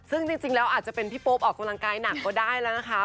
ซึ่งจริงแล้วอาจจะเป็นพี่โป๊ปออกกำลังกายหนักก็ได้แล้วนะคะ